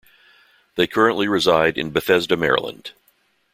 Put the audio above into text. They currently reside in Bethesda, Maryland.